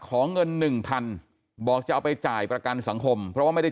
ขอเงินหนึ่งพันบอกจะเอาไปจ่ายประกันสังคมเพราะว่าไม่ได้